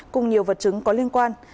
cùng nhiều vật chứng có liên quan